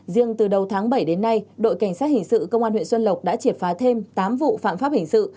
riêng từ đầu tháng bảy đến nay đội cảnh sát hình sự công an huyện xuân lộc đã triệt phá thêm tám vụ phạm pháp hình sự